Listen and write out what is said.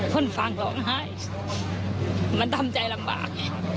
ฟันฟังหล่องหายมันทำใจลำบาก